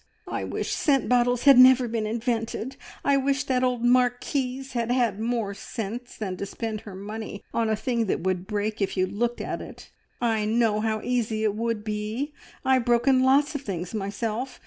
"I wish scent bottles had never been invented! I wish that old marquise had had more sense than to spend her money on a thing that would break if you looked at it! I know how easy it would be. I've broken lots of things myself.